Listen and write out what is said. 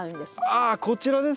ああこちらですね！